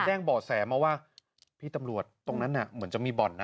แจ้งบ่อแสมาว่าพี่ตำรวจตรงนั้นน่ะเหมือนจะมีบ่อนนะ